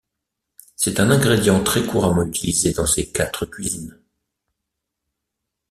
C'est un ingrédient très couramment utilisé dans ces quatre cuisines.